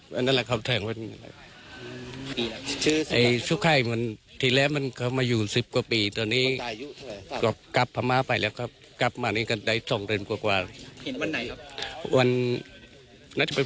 เห็นล่าสุดครับผมตอนไหนตอนเย็นตอนเย็นตอนเย็นครับเขากับกับมาจะทำงาน